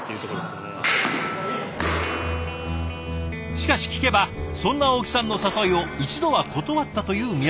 しかし聞けばそんな青木さんの誘いを一度は断ったという宮澤さん。